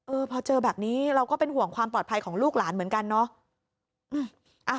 พอเจอแบบนี้เราก็เป็นห่วงความปลอดภัยของลูกหลานเหมือนกันเนาะ